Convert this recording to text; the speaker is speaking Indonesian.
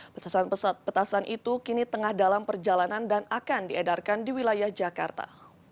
petasan petasan itu kini tengah dalam perjalanan dan akan diedarkan di wilayah jakarta